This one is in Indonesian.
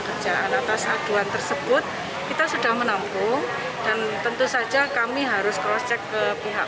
kerjaan atas aduan tersebut kita sudah menampung dan tentu saja kami harus cross check ke pihak